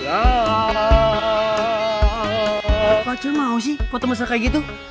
apa aja mau sih kok temen temen kayak gitu